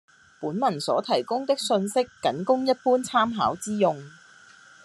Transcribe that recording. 本文所提供的信息僅供一般參考之用